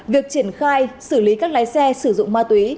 việc triển khai xử lý các lái xe sử dụng ma túy